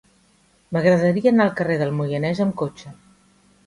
M'agradaria anar al carrer del Moianès amb cotxe.